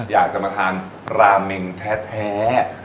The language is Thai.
อยากจะมาทานราเมงแท้